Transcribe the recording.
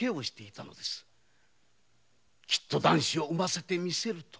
「きっと男子を産ませてみせる」と。